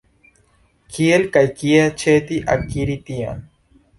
Kiel kaj kie aĉeti, akiri tion?